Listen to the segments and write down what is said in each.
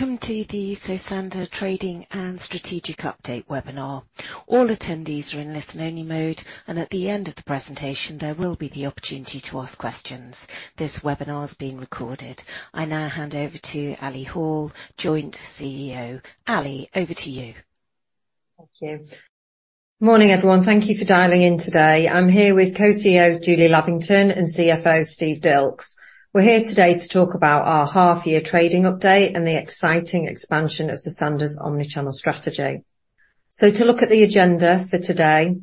Welcome to the Sosandar Trading and Strategic Update Webinar. All attendees are in listen-only mode, and at the end of the presentation, there will be the opportunity to ask questions. This webinar is being recorded. I now hand over to Ali Hall, Joint CEO. Ali, over to you. Thank you. Morning, everyone. Thank you for dialing in today. I'm here with Co-CEO, Julie Lavington, and CFO, Steve Dilks. We're here today to talk about our half-year trading update and the exciting expansion of Sosandar's omnichannel strategy. So to look at the agenda for today,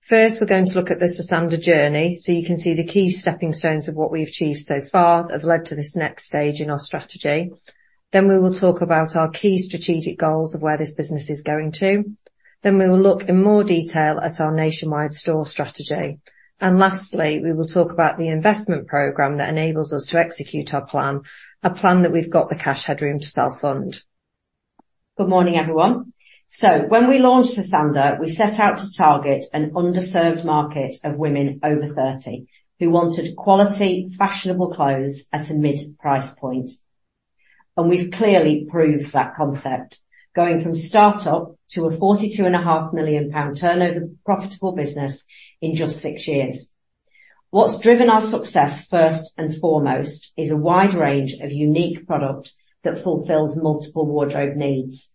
first, we're going to look at the Sosandar journey, so you can see the key stepping stones of what we've achieved so far that have led to this next stage in our strategy. Then we will talk about our key strategic goals of where this business is going to. Then we will look in more detail at our nationwide store strategy. And lastly, we will talk about the investment program that enables us to execute our plan, a plan that we've got the cash headroom to self-fund. Good morning, everyone. So when we launched Sosandar, we set out to target an underserved market of women over 30, who wanted quality, fashionable clothes at a mid price point. And we've clearly proved that concept, going from startup to a 42.5 million pound turnover, profitable business in just six years. What's driven our success, first and foremost, is a wide range of unique product that fulfills multiple wardrobe needs.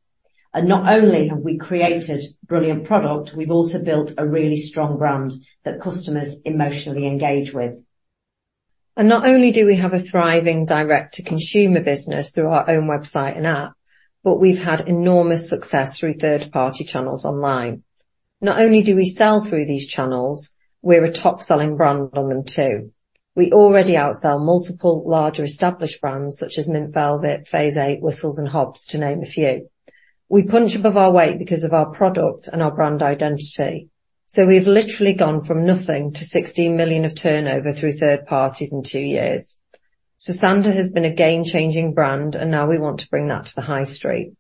And not only have we created brilliant product, we've also built a really strong brand that customers emotionally engage with. Not only do we have a thriving direct-to-consumer business through our own website and app, but we've had enormous success through third-party channels online. Not only do we sell through these channels, we're a top-selling brand on them, too. We already outsell multiple larger established brands such as Mint Velvet, Phase Eight, Whistles, and Hobbs, to name a few. We punch above our weight because of our product and our brand identity. We've literally gone from nothing to 16 million of turnover through third parties in two years. Sosandar has been a game-changing brand, and now we want to bring that to the high street.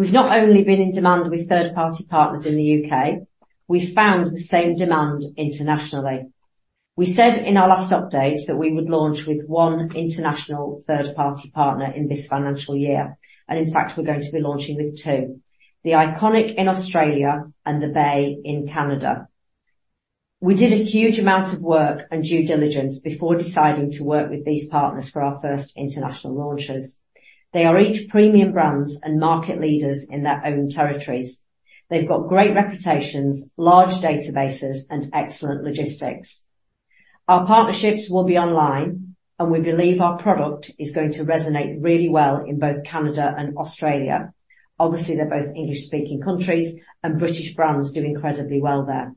We've not only been in demand with third-party partners in the U.K., we found the same demand internationally. We said in our last update that we would launch with one international third-party partner in this financial year, and in fact, we're going to be launching with two: The Iconic in Australia and The Bay in Canada. We did a huge amount of work and due diligence before deciding to work with these partners for our first international launches. They are each premium brands and market leaders in their own territories. They've got great reputations, large databases, and excellent logistics. Our partnerships will be online, and we believe our product is going to resonate really well in both Canada and Australia. Obviously, they're both English-speaking countries, and British brands do incredibly well there.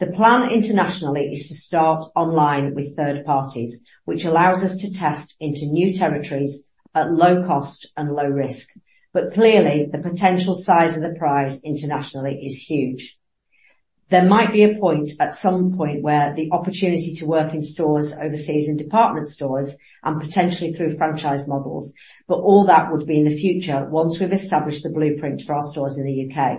The plan internationally is to start online with third parties, which allows us to test into new territories at low cost and low risk. But clearly, the potential size of the prize internationally is huge. There might be a point, at some point, where the opportunity to work in stores overseas and department stores and potentially through franchise models, but all that would be in the future once we've established the blueprint for our stores in the U.K.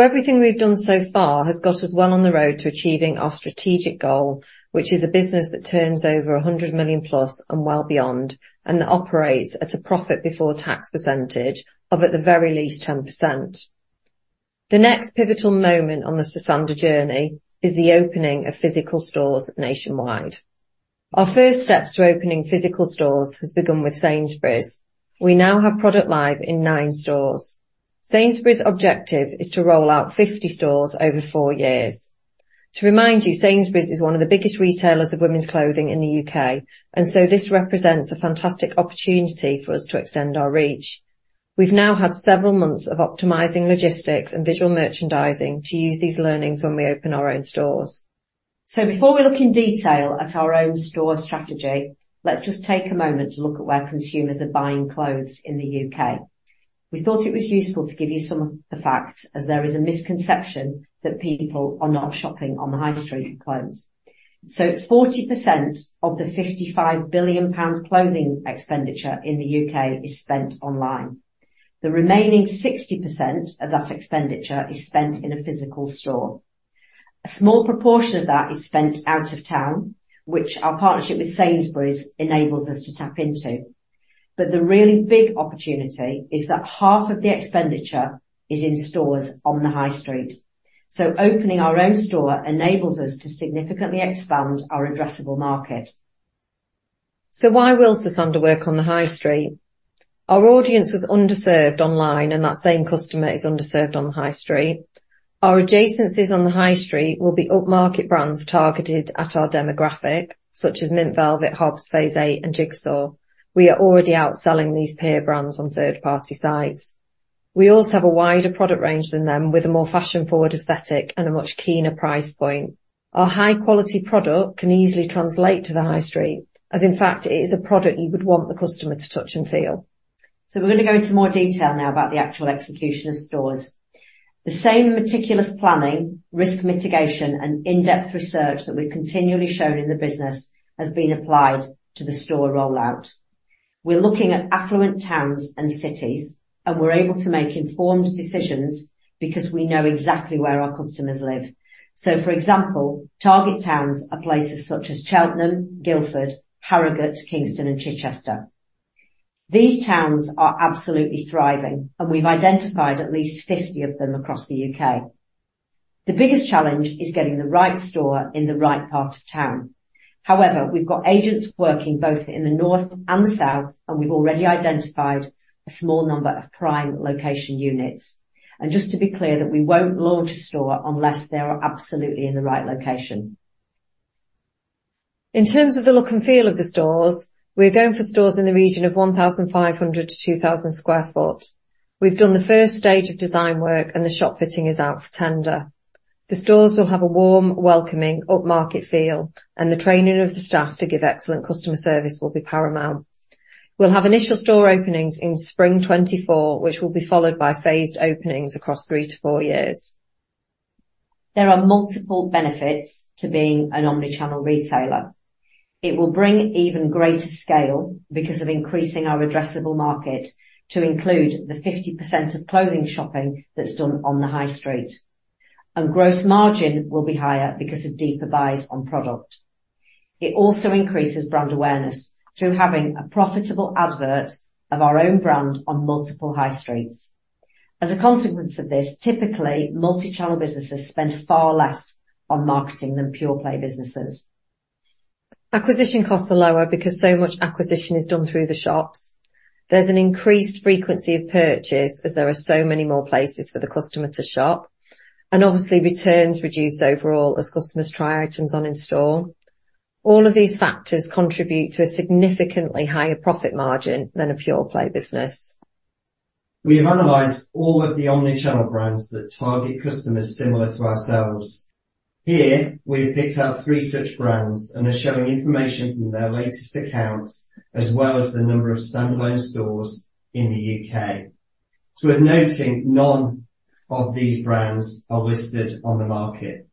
Everything we've done so far has got us well on the road to achieving our strategic goal, which is a business that turns over 100 million+ and well beyond, and that operates at a profit before tax percentage of at the very least 10%. The next pivotal moment on the Sosandar journey is the opening of physical stores nationwide. Our first steps to opening physical stores has begun with Sainsbury's. We now have product live in nine stores. Sainsbury's objective is to roll out 50 stores over four years. To remind you, Sainsbury's is one of the biggest retailers of women's clothing in the U.K., and so this represents a fantastic opportunity for us to extend our reach. We've now had several months of optimizing logistics and visual merchandising to use these learnings when we open our own stores. Before we look in detail at our own store strategy, let's just take a moment to look at where consumers are buying clothes in the U.K. We thought it was useful to give you some of the facts, as there is a misconception that people are not shopping on the high street for clothes. 40% of the 55 billion pound clothing expenditure in the U.K. is spent online. The remaining 60% of that expenditure is spent in a physical store. A small proportion of that is spent out of town, which our partnership with Sainsbury's enables us to tap into. But the really big opportunity is that half of the expenditure is in stores on the high street. Opening our own store enables us to significantly expand our addressable market. So why will Sosandar work on the high street? Our audience was underserved online, and that same customer is underserved on the high street. Our adjacencies on the high street will be upmarket brands targeted at our demographic, such as Mint Velvet, Hobbs, Phase Eight, and Jigsaw. We are already outselling these peer brands on third-party sites. We also have a wider product range than them, with a more fashion-forward aesthetic and a much keener price point. Our high-quality product can easily translate to the high street, as in fact, it is a product you would want the customer to touch and feel. So we're going to go into more detail now about the actual execution of stores. The same meticulous planning, risk mitigation, and in-depth research that we've continually shown in the business has been applied to the store rollout. We're looking at affluent towns and cities, and we're able to make informed decisions because we know exactly where our customers live. So for example, target towns are places such as Cheltenham, Guildford, Harrogate, Kingston, and Chichester. These towns are absolutely thriving, and we've identified at least 50 of them across the U.K. The biggest challenge is getting the right store in the right part of town. However, we've got agents working both in the north and the south, and we've already identified a small number of prime location units. And just to be clear, that we won't launch a store unless they are absolutely in the right location. In terms of the look and feel of the stores, we're going for stores in the region of 1,500 sq ft-2,000 sq ft. We've done the first stage of design work, and the shop fitting is out for tender. The stores will have a warm, welcoming, upmarket feel, and the training of the staff to give excellent customer service will be paramount. We'll have initial store openings in Spring 2024, which will be followed by phased openings across three to four years. There are multiple benefits to being an omnichannel retailer. It will bring even greater scale because of increasing our addressable market to include the 50% of clothing shopping that's done on the high street, and gross margin will be higher because of deeper buys on product. It also increases brand awareness through having a profitable advert of our own brand on multiple high streets. As a consequence of this, typically, multi-channel businesses spend far less on marketing than pure-play businesses. Acquisition costs are lower because so much acquisition is done through the shops. There's an increased frequency of purchase, as there are so many more places for the customer to shop, and obviously, returns reduce overall as customers try items on in store. All of these factors contribute to a significantly higher profit margin than a pure-play business. We have analyzed all of the omnichannel brands that target customers similar to ourselves. Here, we have picked out three such brands and are showing information from their latest accounts, as well as the number of standalone stores in the U.K. So we're noting none of these brands are listed on the market.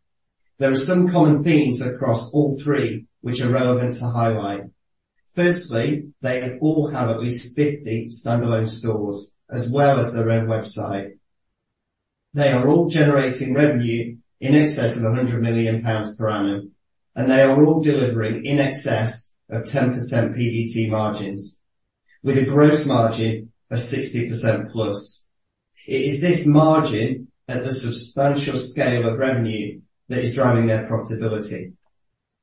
There are some common themes across all three, which are relevant to highlight. Firstly, they all have at least 50 standalone stores as well as their own website. They are all generating revenue in excess of 100 million pounds per annum, and they are all delivering in excess of 10% PBT margins, with a gross margin of 60%+. It is this margin at the substantial scale of revenue that is driving their profitability,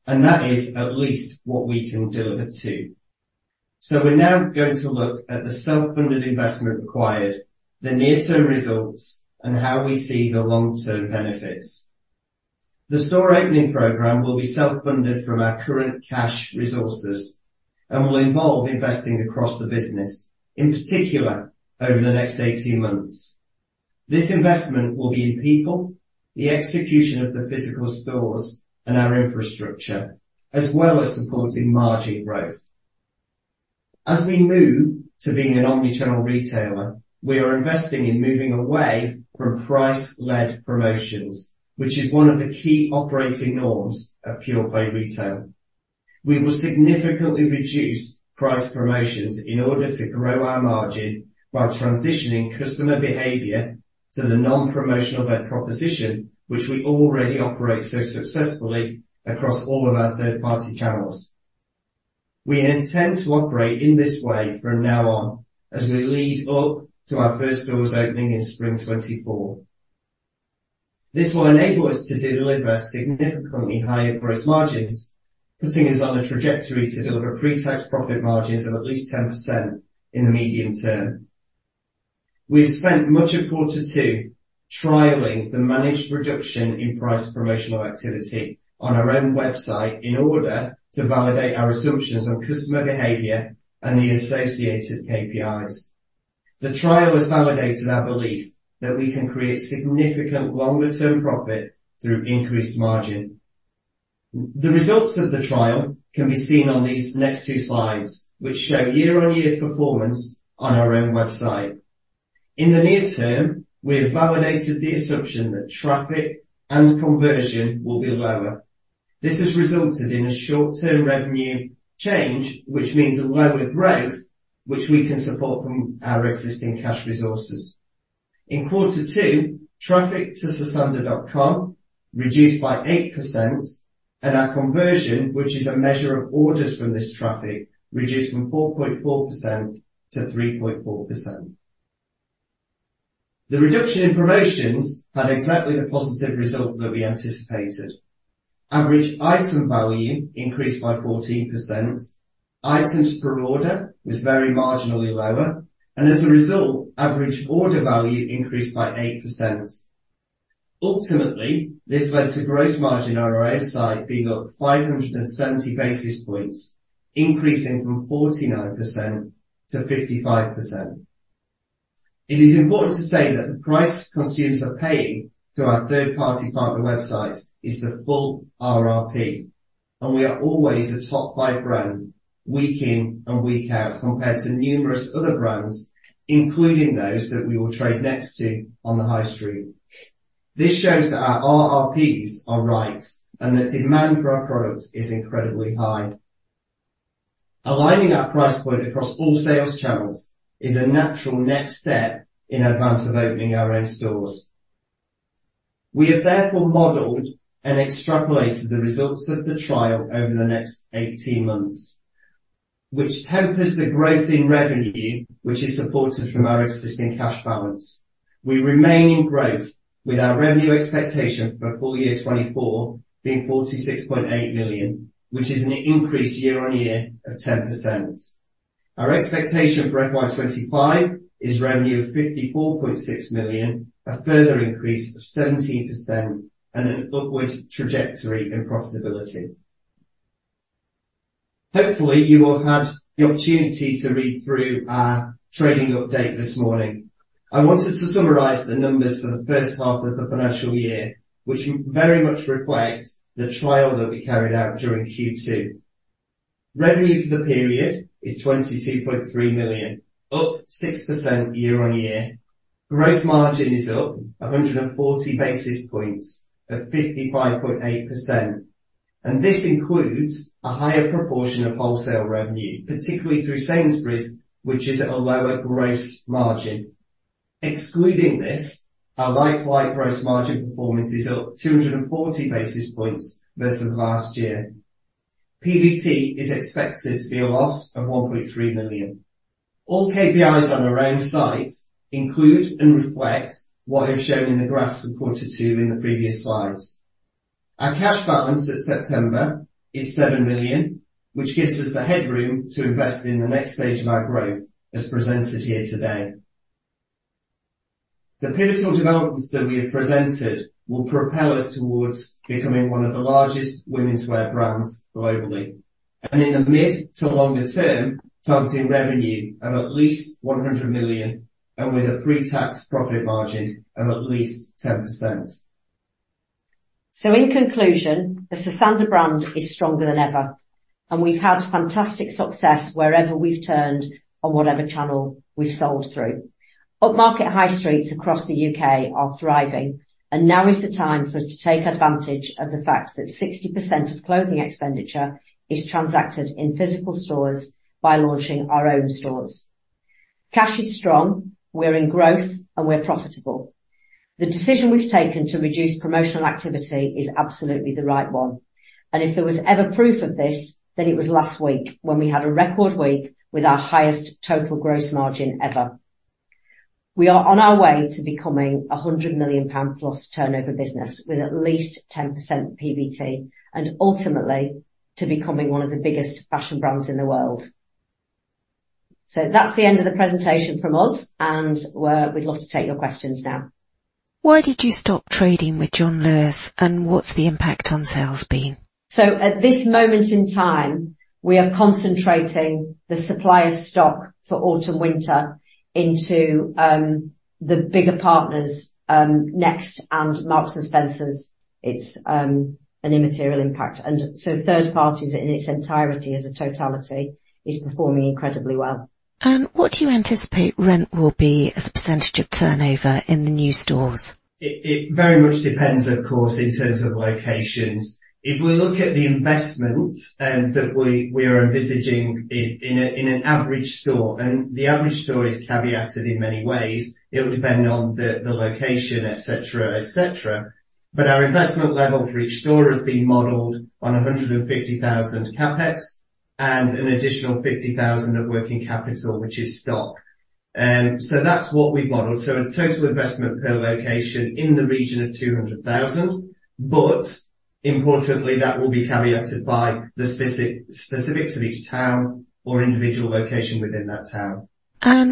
and that is at least what we can deliver, too. So we're now going to look at the self-funded investment required, the near-term results, and how we see the long-term benefits. The store opening program will be self-funded from our current cash resources and will involve investing across the business, in particular over the next 18 months. This investment will be in people, the execution of the physical stores, and our infrastructure, as well as supporting margin growth. As we move to being an omnichannel retailer, we are investing in moving away from price-led promotions, which is one of the key operating norms of pure-play retail. We will significantly reduce price promotions in order to grow our margin by transitioning customer behavior to the non-promotional led proposition, which we already operate so successfully across all of our third-party channels. We intend to operate in this way from now on as we lead up to our first stores opening in Spring 2024. This will enable us to deliver significantly higher gross margins, putting us on a trajectory to deliver pre-tax profit margins of at least 10% in the medium term. We've spent much of quarter two trialing the managed reduction in price promotional activity on our own website in order to validate our assumptions on customer behavior and the associated KPIs. The trial has validated our belief that we can create significant longer-term profit through increased margin. The results of the trial can be seen on these next two slides, which show year-on-year performance on our own website. In the near term, we have validated the assumption that traffic and conversion will be lower. This has resulted in a short-term revenue change, which means a lower growth, which we can support from our existing cash resources. In quarter two, traffic to sosandar.com reduced by 8%, and our conversion, which is a measure of orders from this traffic, reduced from 4.4% to 3.4%. The reduction in promotions had exactly the positive result that we anticipated. Average item value increased by 14%, items per order was very marginally lower, and as a result, average order value increased by 8%. Ultimately, this led to gross margin on our site being up 570 basis points, increasing from 49% to 55%. It is important to say that the price consumers are paying through our third-party partner websites is the full RRP, and we are always a top five brand, week in and week out, compared to numerous other brands, including those that we will trade next to on the high street. This shows that our RRPs are right and that demand for our products is incredibly high. Aligning our price point across all sales channels is a natural next step in advance of opening our own stores. We have therefore modeled and extrapolated the results of the trial over the next 18 months, which tempers the growth in revenue, which is supported from our existing cash balance. We remain in growth, with our revenue expectation for full year 2024 being 46.8 million, which is an increase year-on-year of 10%. Our expectation for FY 2025 is revenue of 54.6 million, a further increase of 17% and an upward trajectory in profitability. Hopefully, you will have had the opportunity to read through our trading update this morning. I wanted to summarize the numbers for the first half of the financial year, which very much reflects the trial that we carried out during Q2. Revenue for the period is 22.3 million, up 6% year-on-year. Gross margin is up 140 basis points of 55.8%, and this includes a higher proportion of wholesale revenue, particularly through Sainsbury's, which is at a lower gross margin. Excluding this, our like-for-like gross margin performance is up 240 basis points versus last year. PBT is expected to be a loss of 1.3 million. All KPIs on our own site include and reflect what is shown in the graphs and pointed to in the previous slides. Our cash balance at September is 7 million, which gives us the headroom to invest in the next stage of our growth, as presented here today. The pivotal developments that we have presented will propel us towards becoming one of the largest womenswear brands globally, and in the mid to longer term, targeting revenue of at least 100 million and with a pre-tax profit margin of at least 10%. So in conclusion, the Sosandar brand is stronger than ever, and we've had fantastic success wherever we've turned on whatever channel we've sold through. Upmarket high streets across the U.K. are thriving, and now is the time for us to take advantage of the fact that 60% of clothing expenditure is transacted in physical stores by launching our own stores. Cash is strong, we're in growth, and we're profitable. The decision we've taken to reduce promotional activity is absolutely the right one, and if there was ever proof of this, then it was last week when we had a record week with our highest total gross margin ever. We are on our way to becoming a 100 million pound plus turnover business with at least 10% PBT, and ultimately to becoming one of the biggest fashion brands in the world. So that's the end of the presentation from us, and we'd love to take your questions now. Why did you stop trading with John Lewis, and what's the impact on sales been? At this moment in time, we are concentrating the supplier stock for autumn/winter into the bigger partners, Next and Marks & Spencer. It's an immaterial impact, and so third parties in its entirety as a totality is performing incredibly well. What do you anticipate rent will be as a percentage of turnover in the new stores? It very much depends, of course, in terms of locations. If we look at the investment that we are envisaging in an average store, and the average store is caveated in many ways, it'll depend on the location, et cetera, et cetera. But our investment level for each store has been modeled on 150,000 CapEx and an additional 50,000 of working capital, which is stock. So that's what we've modeled. A total investment per location in the region of 200,000, but importantly, that will be caveated by the specifics of each town or individual location within that town.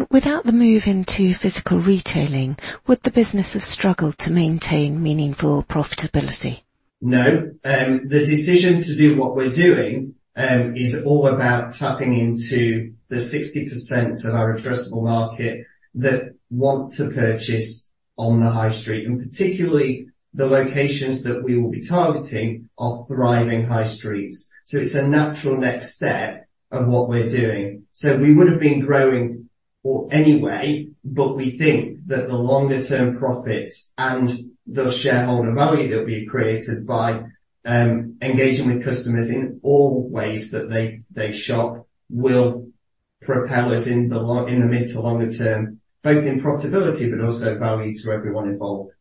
Without the move into physical retailing, would the business have struggled to maintain meaningful profitability? No. The decision to do what we're doing is all about tapping into the 60% of our addressable market that want to purchase on the high street, and particularly the locations that we will be targeting are thriving high streets. So it's a natural next step of what we're doing. So we would have been growing or anyway, but we think that the longer term profits and the shareholder value that we've created by engaging with customers in all ways that they shop will propel us in the mid- to longer term, both in profitability but also value to everyone involved.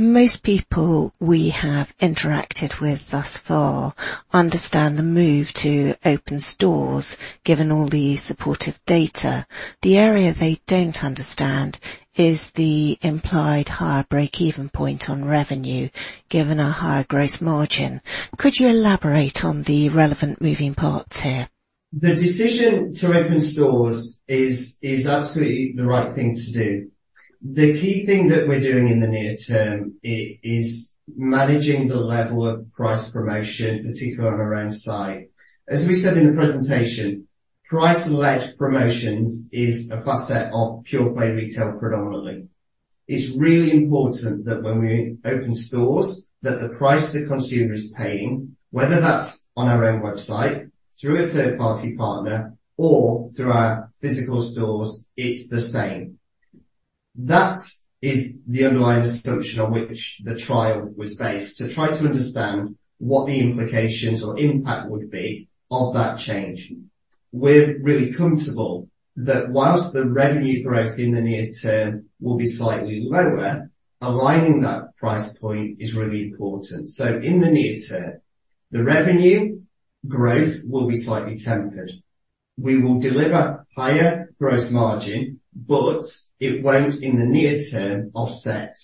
Most people we have interacted with thus far understand the move to open stores, given all the supportive data. The area they don't understand is the implied higher breakeven point on revenue, given a higher gross margin. Could you elaborate on the relevant moving parts here? The decision to open stores is absolutely the right thing to do. The key thing that we're doing in the near term is managing the level of price promotion, particularly on our own site. As we said in the presentation, price-led promotions is a facet of pure-play retail predominantly. It's really important that when we open stores, that the price the consumer is paying, whether that's on our own website, through a third-party partner, or through our physical stores, it's the same. That is the underlying assumption on which the trial was based, to try to understand what the implications or impact would be of that change. We're really comfortable that while the revenue growth in the near term will be slightly lower, aligning that price point is really important. So in the near term, the revenue growth will be slightly tempered. We will deliver higher gross margin, but it won't, in the near term, offset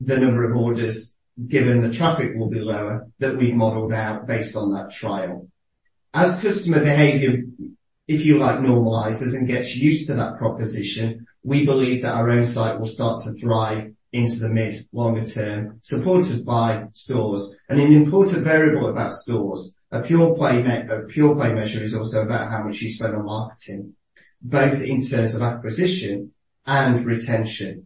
the number of orders, given the traffic will be lower, that we modeled out based on that trial. As customer behavior, if you like, normalizes and gets used to that proposition, we believe that our own site will start to thrive into the mid longer term, supported by stores. An important variable about stores, a pure play measure is also about how much you spend on marketing, both in terms of acquisition and retention.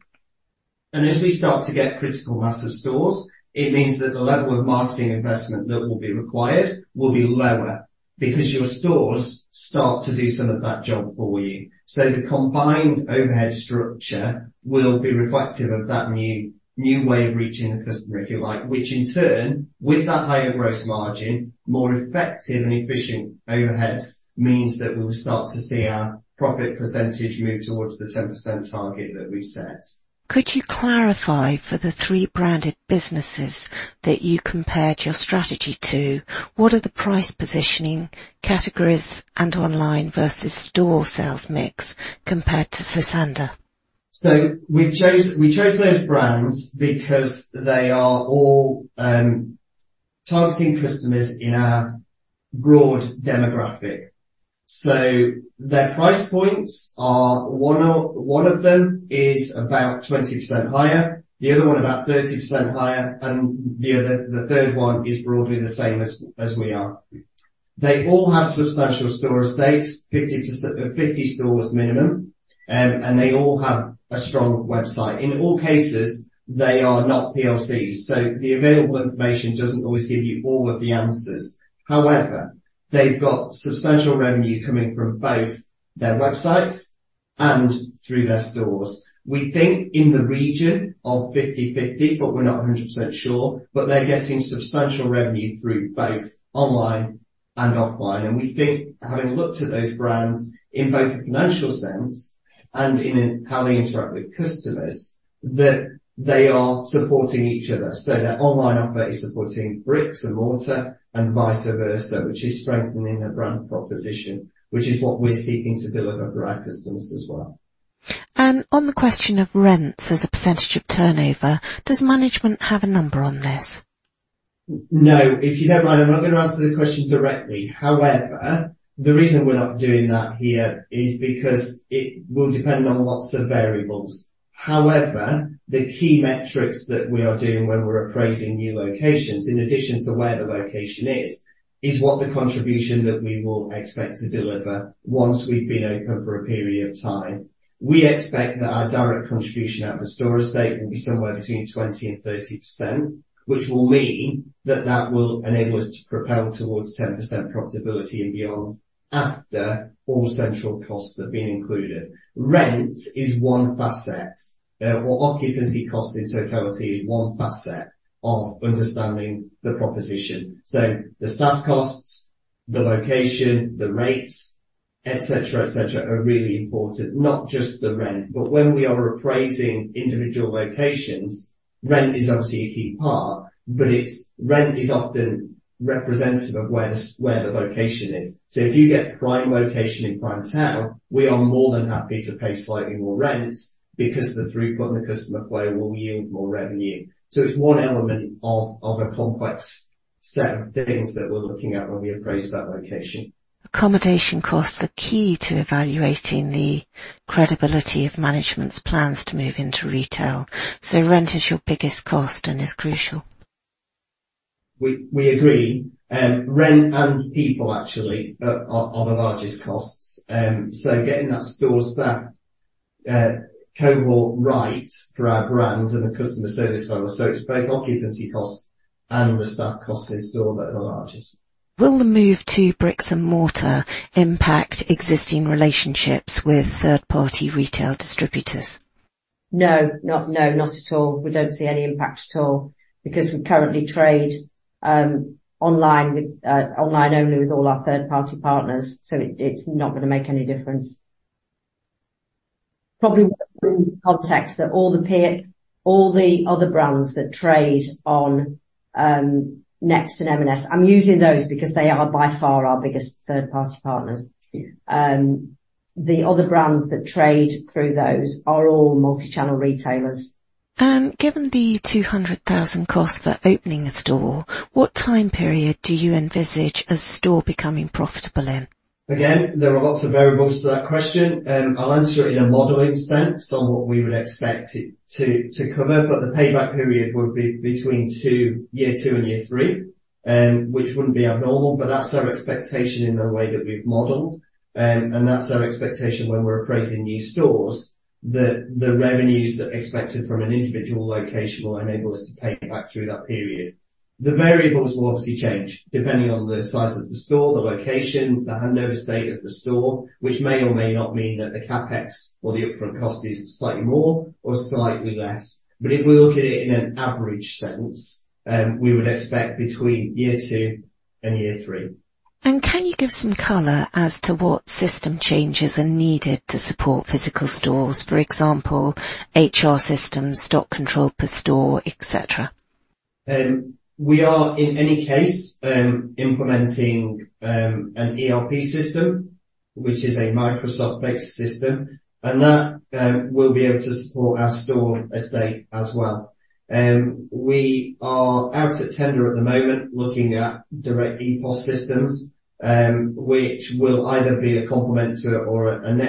As we start to get critical mass of stores, it means that the level of marketing investment that will be required will be lower, because your stores start to do some of that job for you. So the combined overhead structure will be reflective of that new way of reaching the customer, if you like, which in turn, with that higher gross margin, more effective and efficient overheads, means that we will start to see our profit percentage move towards the 10% target that we set. Could you clarify for the three branded businesses that you compared your strategy to, what are the price positioning categories and online versus store sales mix compared to Sosandar? We chose those brands because they are all targeting customers in a broad demographic. Their price points are, one of them is about 20% higher, the other one about 30% higher, and the other, the third one, is broadly the same as we are. They all have substantial store estates, 50%, 50 stores minimum, and they all have a strong website. In all cases, they are not PLCs, so the available information doesn't always give you all of the answers. However, they've got substantial revenue coming from both their websites and through their stores. We think in the region of 50/50, but we're not 100% sure, but they're getting substantial revenue through both online and offline. We think, having looked at those brands in both a financial sense and in how they interact with customers, that they are supporting each other. Their online offer is supporting bricks and mortar and vice versa, which is strengthening the brand proposition, which is what we're seeking to deliver for our customers as well. On the question of rents as a percentage of turnover, does management have a number on this? No. If you don't mind, I'm not going to answer the question directly. However, the reason we're not doing that here is because it will depend on lots of variables. However, the key metrics that we are doing when we're appraising new locations, in addition to where the location is, is what the contribution that we will expect to deliver once we've been open for a period of time. We expect that our direct contribution at the store estate will be somewhere between 20%-30%, which will mean that that will enable us to propel towards 10% profitability and beyond, after all central costs have been included. Rent is one facet, or occupancy costs in totality is one facet of understanding the proposition. So the staff costs, the location, the rates, et cetera, et cetera, are really important, not just the rent. But when we are appraising individual locations, rent is obviously a key part, but rent is often representative of where the location is. So if you get prime location in Prime Town, we are more than happy to pay slightly more rent, because the throughput and the customer flow will yield more revenue. So it's one element of a complex set of things that we're looking at when we appraise that location. Accommodation costs are key to evaluating the credibility of management's plans to move into retail. Rent is your biggest cost and is crucial. We agree. Rent and people actually are the largest costs. So getting that store staff cohort right for our brand and the customer service level. So it's both occupancy costs and the staff costs in-store that are the largest. Will the move to bricks and mortar impact existing relationships with third-party retail distributors? No. Not, no, not at all. We don't see any impact at all, because we currently trade online with online only with all our third-party partners, so it, it's not gonna make any difference. Probably, context that all the other brands that trade on Next and M&S, I'm using those because they are by far our biggest third-party partners. The other brands that trade through those are all multi-channel retailers. Given the 200,000 cost for opening a store, what time period do you envisage a store becoming profitable in? Again, there are lots of variables to that question, and I'll answer it in a modeling sense on what we would expect it to cover, but the payback period would be between two, year two and year three, which wouldn't be abnormal, but that's our expectation in the way that we've modeled. And that's our expectation when we're appraising new stores, that the revenues that are expected from an individual location will enable us to pay back through that period. The variables will obviously change, depending on the size of the store, the location, the handover state of the store, which may or may not mean that the CapEx or the upfront cost is slightly more or slightly less. But if we look at it in an average sense, we would expect between year two and year three. Can you give some color as to what system changes are needed to support physical stores, for example, HR systems, stock control per store, et cetera? We are in any case implementing an ERP system, which is a Microsoft-based system, and that will be able to support our store estate as well. We are out at tender at the moment, looking at direct EPOS systems, which will either be a complement to or an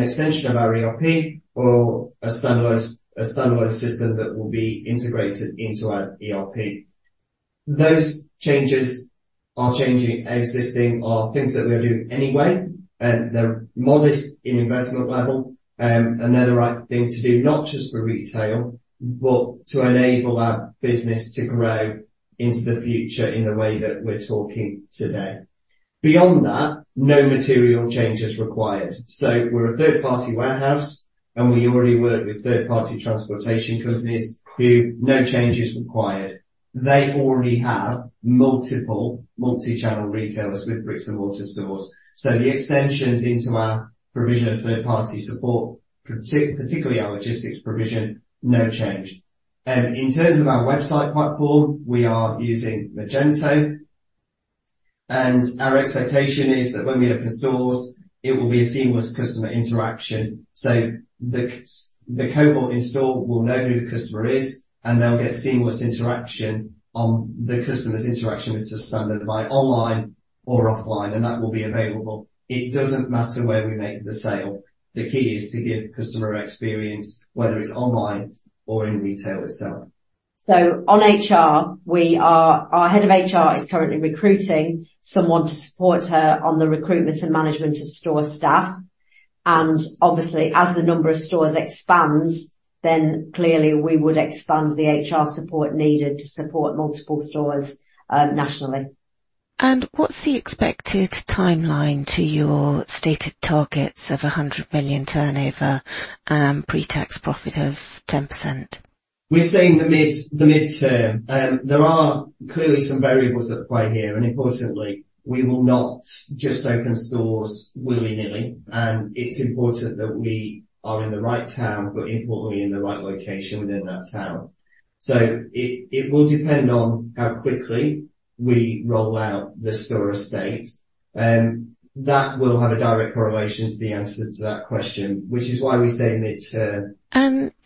extension of our ERP or a standalone, a standalone system that will be integrated into our ERP. Those changes or changing existing are things that we're doing anyway, and they're modest in investment level. They're the right thing to do, not just for retail, but to enable our business to grow into the future in the way that we're talking today. Beyond that, no material change is required. We're a third-party warehouse, and we already work with third-party transportation companies who no change is required. They already have multiple multi-channel retailers with bricks and mortar stores. So the extensions into our provision of third-party support, particularly our logistics provision, no change. In terms of our website platform, we are using Magento, and our expectation is that when we open stores, it will be a seamless customer interaction. So the cohort in store will know who the customer is, and they'll get seamless interaction on. The customer's interaction is just standard, by online or offline, and that will be available. It doesn't matter where we make the sale. The key is to give customer experience, whether it's online or in retail itself. So on HR, we are. Our Head of HR is currently recruiting someone to support her on the recruitment and management of store staff, and obviously, as the number of stores expands, then clearly we would expand the HR support needed to support multiple stores, nationally. What's the expected timeline to your stated targets of 100 million turnover, pre-tax profit of 10%? We're saying the mid, the midterm. There are clearly some variables at play here, and importantly, we will not just open stores willy-nilly, and it's important that we are in the right town, but importantly, in the right location within that town. So it, it will depend on how quickly we roll out the store estate, that will have a direct correlation to the answer to that question, which is why we say midterm.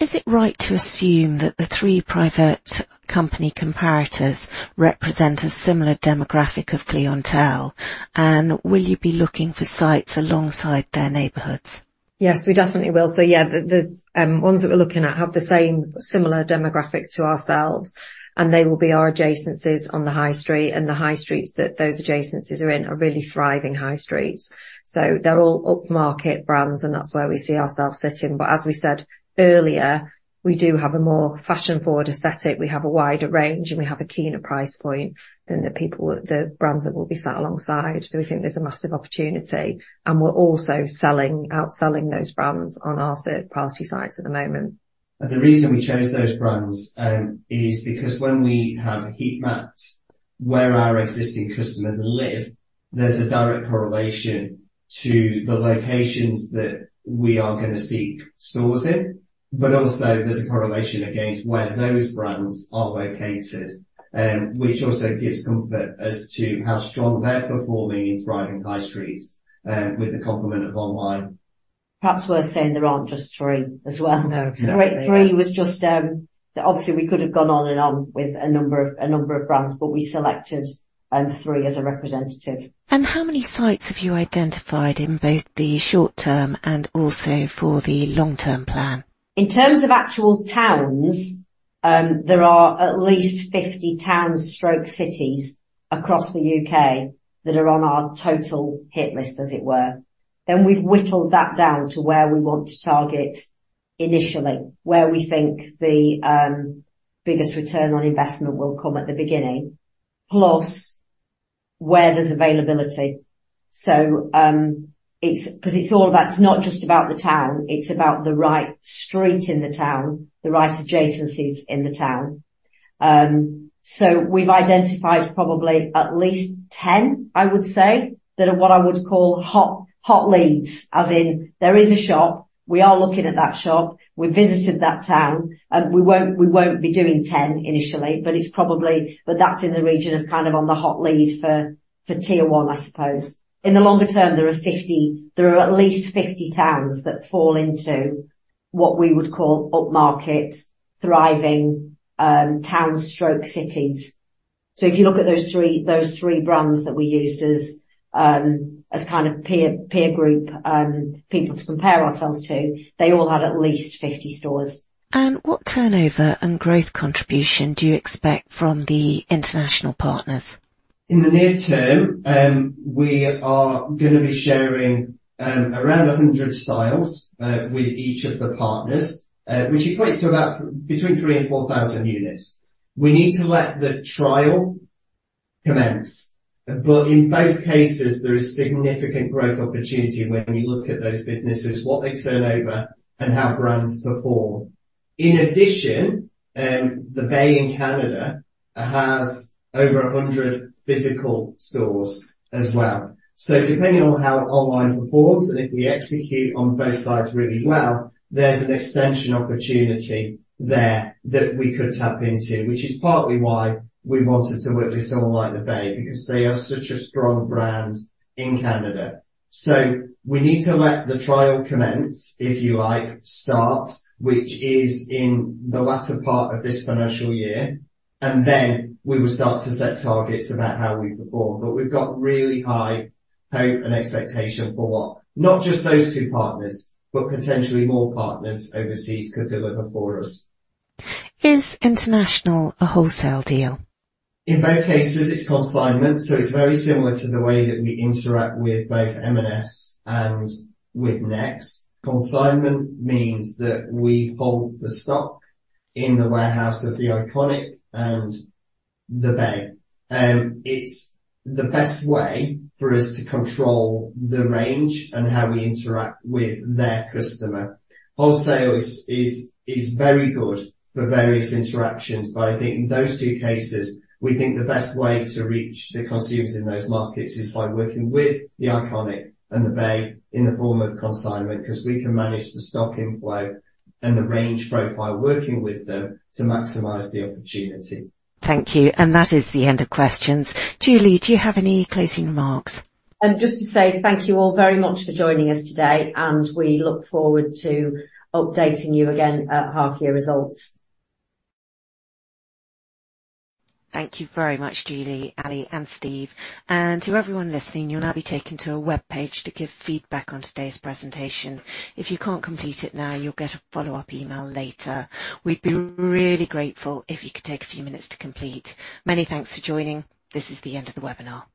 Is it right to assume that the three private company comparators represent a similar demographic of clientele, and will you be looking for sites alongside their neighborhoods? Yes, we definitely will. So yeah, the ones that we're looking at have the same similar demographic to ourselves, and they will be our adjacencies on the high street, and the high streets that those adjacencies are in are really thriving high streets. So they're all upmarket brands, and that's where we see ourselves sitting. But as we said earlier, we do have a more fashion-forward aesthetic. We have a wider range, and we have a keener price point than the people, the brands that we'll be sat alongside. So we think there's a massive opportunity, and we're also outselling those brands on our third-party sites at the moment. The reason we chose those brands is because when we have heat mapped where our existing customers live, there's a direct correlation to the locations that we are gonna seek stores in, but also there's a correlation against where those brands are located, which also gives comfort as to how strong they're performing in thriving high streets with the complement of online. Perhaps worth saying there aren't just three as well. No, exactly. Three was just, obviously, we could have gone on and on with a number of, a number of brands, but we selected three as a representative. How many sites have you identified in both the short term and also for the long-term plan? In terms of actual towns, there are at least 50 towns/cities across the U.K. that are on our total hit list, as it were. Then we've whittled that down to where we want to target initially, where we think the biggest return on investment will come at the beginning, plus where there's availability. So, it's because it's all about, not just about the town, it's about the right street in the town, the right adjacencies in the town. So we've identified probably at least 10, I would say, that are what I would call hot, hot leads. As in, there is a shop, we are looking at that shop, we visited that town, and we won't, we won't be doing 10 initially, but it's probably. But that's in the region of kind of on the hot lead for tier one I suppose. In the longer term, there are 50, there are at least 50 towns that fall into what we would call upmarket, thriving, towns/cities. So if you look at those three, those three brands that we used as, as kind of peer, peer group, people to compare ourselves to, they all had at least 50 stores. What turnover and growth contribution do you expect from the international partners? In the near term, we are gonna be sharing around 100 styles with each of the partners, which equates to about between 3,000 units and 4,000 units. We need to let the trial commence, but in both cases, there is significant growth opportunity when we look at those businesses, what they turn over and how brands perform. In addition, The Bay in Canada has over 100 physical stores as well. So depending on how online performs, and if we execute on both sides really well, there's an extension opportunity there that we could tap into, which is partly why we wanted to work with someone like The Bay, because they are such a strong brand in Canada. We need to let the trial commence, if you like, start, which is in the latter part of this financial year, and then we will start to set targets about how we perform. We've got really high hope and expectation for what, not just those two partners, but potentially more partners overseas could deliver for us. Is international a wholesale deal? In both cases, it's consignment, so it's very similar to the way that we interact with both M&S and with Next. Consignment means that we hold the stock in the warehouse of The Iconic and The Bay. It's the best way for us to control the range and how we interact with their customer. Wholesale is very good for various interactions, but I think in those two cases, we think the best way to reach the consumers in those markets is by working with The Iconic and The Bay in the form of consignment, 'cause we can manage the stock inflow and the range profile, working with them to maximize the opportunity. Thank you. That is the end of questions. Julie, do you have any closing remarks? Just to say thank you all very much for joining us today, and we look forward to updating you again at half year results. Thank you very much, Julie, Ali, and Steve. To everyone listening, you'll now be taken to a webpage to give feedback on today's presentation. If you can't complete it now, you'll get a follow-up email later. We'd be really grateful if you could take a few minutes to complete. Many thanks for joining. This is the end of the webinar.